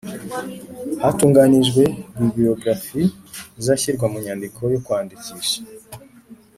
Hatunganijwe bibliographie izashyirwa mu nyandiko yo kwandikisha